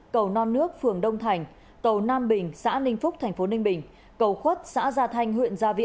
cầu non nước phường đông thành cầu nam bình xã ninh phúc tp ninh bình